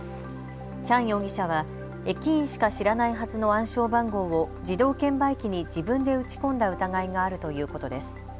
チャン容疑者は駅員しか知らないはずの暗証番号を自動券売機に自分で打ち込んだ疑いがあるということです。